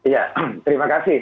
ya terima kasih